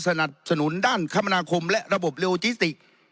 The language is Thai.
สนับสนุนด้านคมนาคมและระบบโลจิสติก